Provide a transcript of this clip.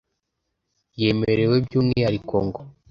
yemerewe by umwihariko ngo